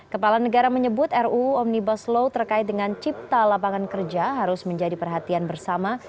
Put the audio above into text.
kepala negara menyebut ruu omnibus law terkait dengan cipta lapangan kerja harus menjadi perhatian bersama